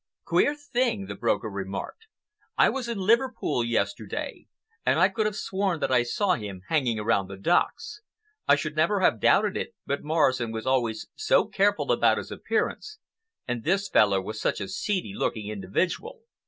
"Queer thing," the broker remarked. "I was in Liverpool yesterday, and I could have sworn that I saw him hanging around the docks. I should never have doubted it, but Morrison was always so careful about his appearance, and this fellow was such a seedy looking individual.